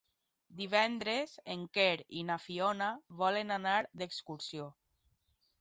Divendres en Quer i na Fiona volen anar d'excursió.